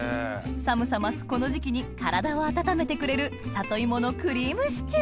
寒さ増すこの時期に体を温めてくれる里芋のクリームシチュー！